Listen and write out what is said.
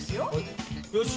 「よし。